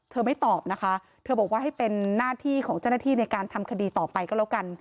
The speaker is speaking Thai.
ไม่ตอบนะคะเธอบอกว่าให้เป็นหน้าที่ของเจ้าหน้าที่ในการทำคดีต่อไปก็แล้วกัน